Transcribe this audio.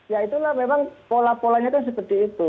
ya itulah memang pola polanya kan seperti itu